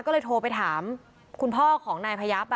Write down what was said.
ก็เลยโทรไปถามคุณพ่อของนายพยับ